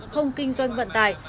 không kinh doanh vận tải